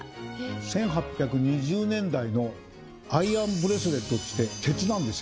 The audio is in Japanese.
１８２０年代のアイアンブレスレットでして鉄なんですよ